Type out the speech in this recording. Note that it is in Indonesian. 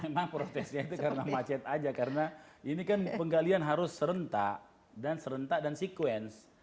memang protesnya itu karena macet aja karena ini kan penggalian harus serentak dan serentak dan sekuens